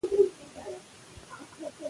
''لېوي ستراس د لرغونو ټولنو له مطالعې